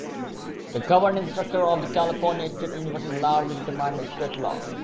The governance structure of the California State University is largely determined by state law.